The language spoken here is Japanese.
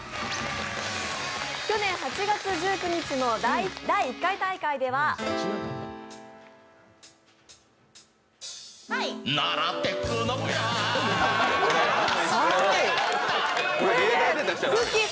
去年８月１９日の第１回大会ではくっきー！